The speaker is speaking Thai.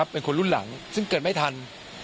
เป็นคนรุ่นหลังซึ่งเกิดไม่ทัน